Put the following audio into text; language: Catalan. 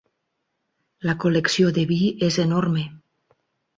La col·lecció de vi és enorme.